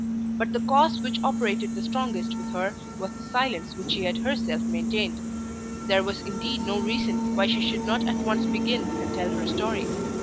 But the cause which operated the strongest with her was the silence which she had herself maintained. There was indeed no reason why she should not at once begin and tell her story.